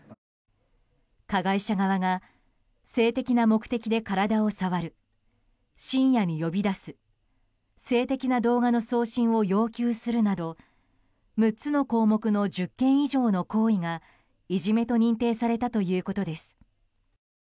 加害者側が性的な目的で体を触る深夜に呼び出す性的な動画の送信を要求するなど６つの項目の１０件以上の行為がいじめと認定されたということです。